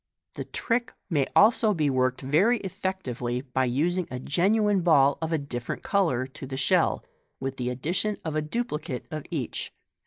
The trick may be also worked very effectively by using a genuine ball of a different colour to the shell, with the addition of a duplicate of each.